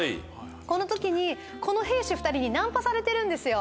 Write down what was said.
この時にこの兵士２人にナンパされてるんですよ